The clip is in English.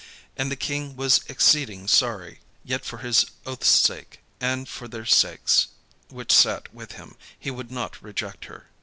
And the king was exceeding sorry; yet for his oath's sake, and for their sakes which sat with him, he would not reject her.